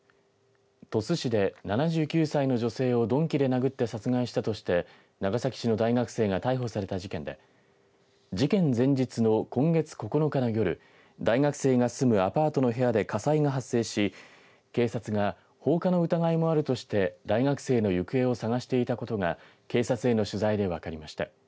鳥栖市で７９歳の女性を鈍器で殴って殺害したとして長崎市の大学生が逮捕された事件で事件前日の今月９日の夜大学生が住むアパートの部屋で火災が発生し警察が放火の疑いもあるとして大学生の行方を捜していたことが警察への取材で分かりました。